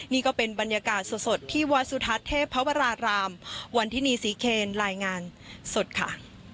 นี่ก็เป็นบรรยากาศสดที่วัดสุทัศน์เทพวรารามวันทินีศรีเคนรายงานสดค่ะ